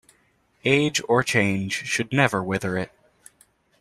Age or change should never wither it.